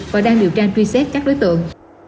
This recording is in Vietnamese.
và đang điều tra truy xét các đối tượng